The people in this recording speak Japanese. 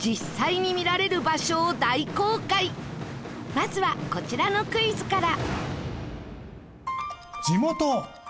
まずはこちらのクイズから。